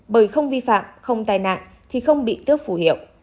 bởi không vi phạm không tai nạn thì không bị tước phù hiệu